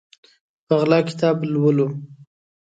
په غلا کتاب لولو